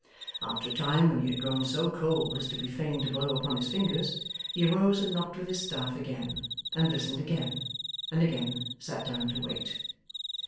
After a time, when he had grown so cold as to be fain to blow upon his fingers, he arose and knocked with his staff again, and listened again, and again sat down to wait.